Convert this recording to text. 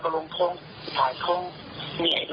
ซึ่งซึ่งว่าที่